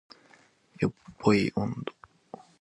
ヨポポイ音頭